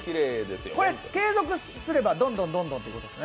継続すればどんどんということですね？